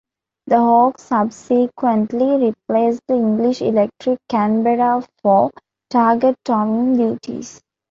The Hawk subsequently replaced the English Electric Canberra for target towing duties.